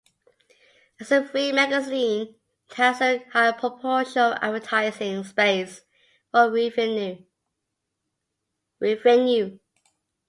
As a free magazine, it has a high proportion of advertising space for revenue.